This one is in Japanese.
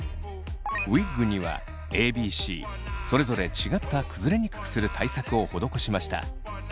ウィッグにはＡＢＣそれぞれ違った崩れにくくする対策を施しました。